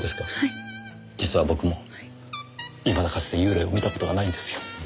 実は僕もいまだかつて幽霊を見た事がないんですよ。